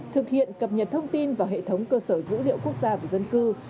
thực hiện cập nhật thông tin vào hệ thống cơ sở dữ liệu quốc gia về dân cư